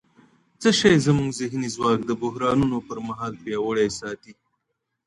څه شی زموږ ذهني ځواک د بحرانونو پر مهال پیاوړی ساتي؟